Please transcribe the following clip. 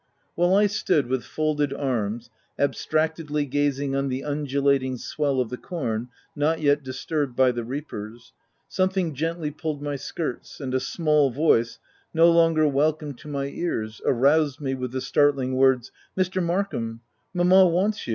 While I stood, with folded arms, abstractedly gazing on the undulating swell of the corn not yet disturbed by the reapers, something gently pulled my skirts, and a small voice, no longer welcome to my ears, aroused me with the startling words ;—" Mr. Markham, mamma wants you."